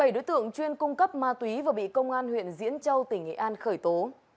một mươi bảy đối tượng chuyên cung cấp ma túy và bị công an huyện diễn châu tỉnh nghệ an khởi tố